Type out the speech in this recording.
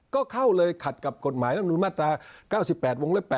ก็เข้าเลยขัดกับกฎหมายรัฐมนุนมาตรา๙๘วงเล็บ๘